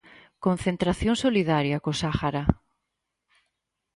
Concentración solidaria co Sáhara.